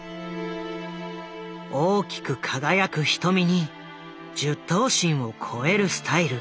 大きく輝く瞳に１０頭身を超えるスタイル。